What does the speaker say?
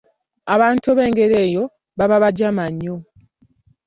Abantu ab'engeri eyo baba bajama nnyo.